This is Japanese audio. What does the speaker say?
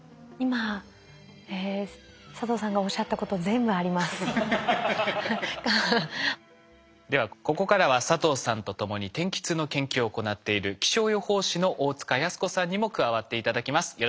今佐藤さんがおっしゃったことではここからは佐藤さんと共に天気痛の研究を行っている気象予報士の大塚靖子さんにも加わって頂きます。